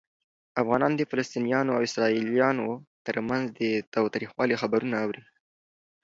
افغانان د فلسطینیانو او اسرائیلیانو ترمنځ د تاوتریخوالي خبرونه اوري.